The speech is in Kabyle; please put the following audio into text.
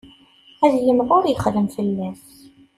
Ad yimɣur yexdem fell-as.